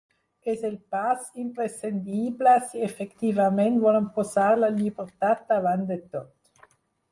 És el pas imprescindible si efectivament volem posar la llibertat davant de tot.